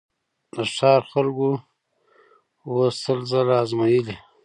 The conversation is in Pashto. د ښار خلکو وو سل ځله آزمېیلی